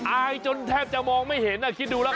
อายจนแทบจะมองไม่เห็นคิดดูแล้ว